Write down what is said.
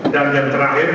dan yang terakhir